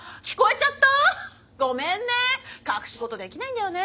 ごめんね隠し事できないんだよね。